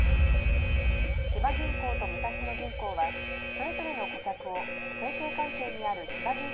千葉銀行と武蔵野銀行はそれぞれの顧客を提携関係にあるちばぎん